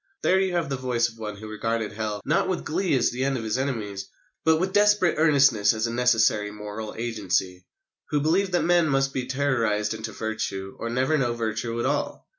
There you have the voice of one who regarded Hell, not with glee as the end of his enemies, but with desperate earnestness as a necessary moral agency who believed that men must be terrorised into virtue or never know virtue at all.